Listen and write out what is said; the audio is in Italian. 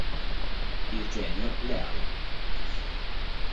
Eugenio Leal